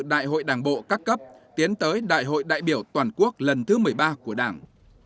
đại hội đảng bộ các cấp tiến tới đại hội đại biểu toàn quốc lần thứ một mươi ba của đảng